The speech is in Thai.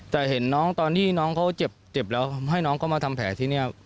แต่เห็นน้องตอนที่น้องเขาเจ็บแล้วให้น้องเขามาทำแผลที่นี่